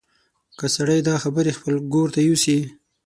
که سړی دا خبرې خپل ګور ته یوسي.